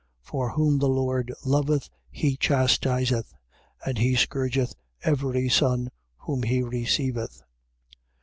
12:6. For whom the Lord loveth he chastiseth: and he scourgeth every son whom he receiveth.